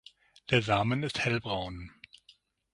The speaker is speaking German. Der Samen ist hellbraun.